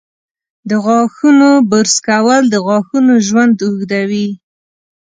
د غاښونو برش کول د غاښونو ژوند اوږدوي.